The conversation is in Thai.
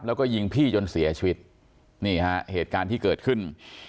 แล้วก็ยิงพี่จนเสียชีวิตนี่ฮะเหตุการณ์ที่เกิดขึ้น